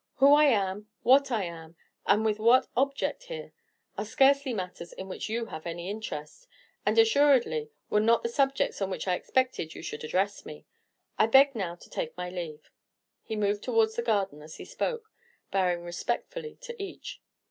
Who I am, what I am, and with what object here, are scarcely matters in which you have any interest, and assuredly were not the subjects on which I expected you should address me. I beg now to take my leave." He moved towards the garden as he spoke, bowing respectfully to each.